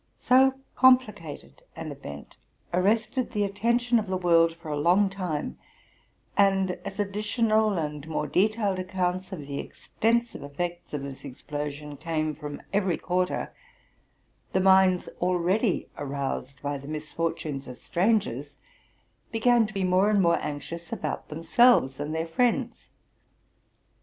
So complicated an event arrested the attention of the world for a long time; and, as additional and more detailed accounts of the extensive effects of this explosion came from eyery quarter, the minds already aroused by the misfortunes of strangers began to be more and more anxious about themselves and their friends.